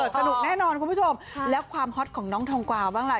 สนุกแน่นอนคุณผู้ชมแล้วความฮอตของน้องทองกวาบ้างอะไร